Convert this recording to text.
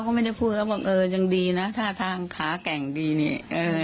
ก็ไม่ได้พูดว่าบังเอิญยังดีนะท่าทางขาแกร่งดีนี่เออ